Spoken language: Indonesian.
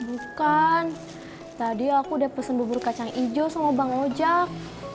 bukan tadi aku udah pesen bubur kacang hijau sama bang ojek